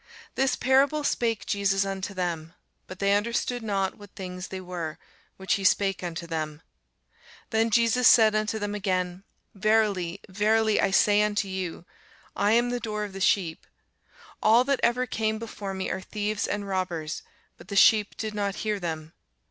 This parable spake Jesus unto them: but they understood not what things they were which he spake unto them. Then said Jesus unto them again, Verily, verily, I say unto you, I am the door of the sheep. All that ever came before me are thieves and robbers: but the sheep did not hear them.